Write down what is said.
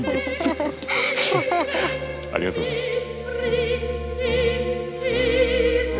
ありがとうございます。